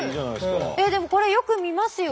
でもこれよく見ますよ。